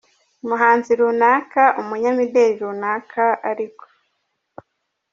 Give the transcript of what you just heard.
Umuhanzi runaka umunyamideli runaka ariko.